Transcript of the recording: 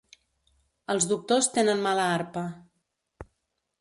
Els doctors tenen mala arpa.